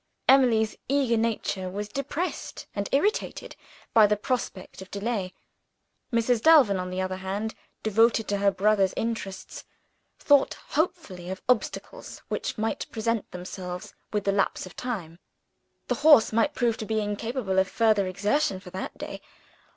Emily's eager nature was depressed and irritated by the prospect of delay. Mrs. Delvin, on the other hand (devoted to her brother's interests), thought hopefully of obstacles which might present themselves with the lapse of time. The horse might prove to be incapable of further exertion for that day.